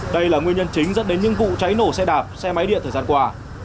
đây là nguyên nhân chính dẫn đến những vụ cháy nổ xe đạp xe máy điện thời gian qua